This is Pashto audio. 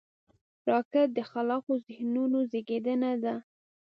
راکټ د خلاقو ذهنونو زیږنده ده